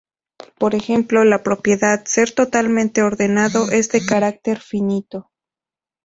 Por ejemplo, la propiedad "ser totalmente ordenado", es de carácter finito.